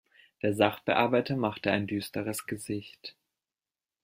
Der Sachbearbeiter machte ein düsteres Gesicht.